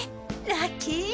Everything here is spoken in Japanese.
ラッキー！